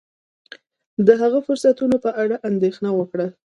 د هغه فرصتونو په اړه اندېښنه وکړه.